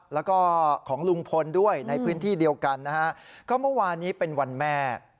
แล้วก็ของลุงพลด้วยในพื้นที่เดียวกันนะฮะก็เมื่อวานนี้เป็นวันแม่